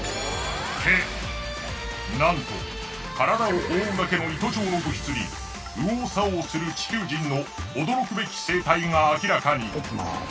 なんと体を覆うだけの糸状の物質に右往左往する地球人の驚くべき生態が明らかに！